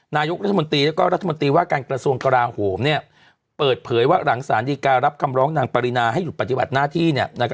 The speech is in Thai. นายกรัฐมนตรีแล้วก็รัฐมนตรีว่าการกระทรวงกราโหมเปิดเผยว่าหลังสารดีการับคำร้องนางปรินาให้หยุดปฏิบัติหน้าที่